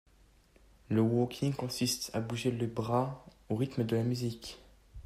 Le waacking consiste à bouger les bras au rythme de la musique.